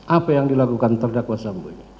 apa yang dilakukan terdakwa sambu ini